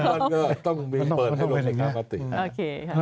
จนวันต้องเปิดหน้าขอมติ